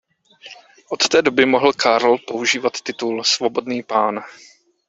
Od té doby mohl Karl používat titul "svobodný pán".